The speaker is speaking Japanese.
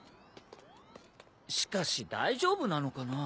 しかし大丈夫なのかな？